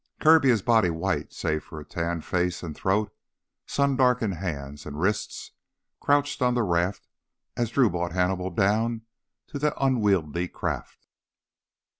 Kirby, his body white save for tanned face and throat, sun darkened hands and wrists, crouched on the raft as Drew brought Hannibal down to that unwieldy craft.